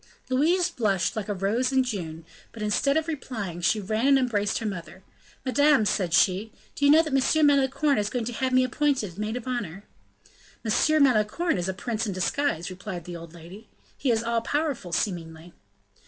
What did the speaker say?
Louise blushed like a rose in June, but instead of replying, she ran and embraced her mother. "Madame," said she, "do you know that M. Malicorne is going to have me appointed maid of honor?" "M. Malicorne is a prince in disguise," replied the old lady, "he is all powerful, seemingly."